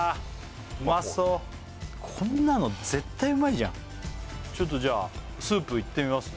うまそうこんなの絶対うまいじゃんちょっとじゃあスープいってみますね